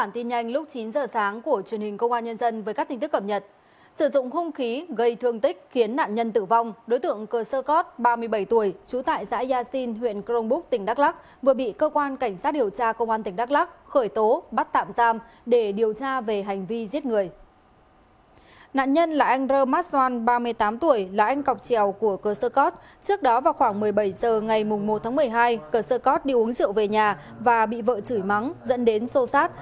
trước đó vào khoảng một mươi bảy h ngày một một mươi hai cờ sơ cót đi uống rượu về nhà và bị vợ chửi mắng dẫn đến sâu sát